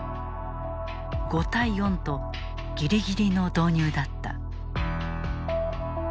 ５対４とギリギリの導入だった。